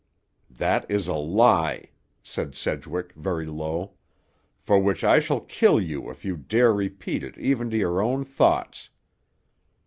"That is a lie," said Sedgwick very low, "for which I shall kill you if you dare repeat it even to your own thoughts.